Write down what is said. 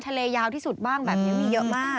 เลยาวที่สุดบ้างแบบนี้มีเยอะมาก